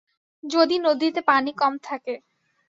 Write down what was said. যদি নদীতে পানি কম থাকে।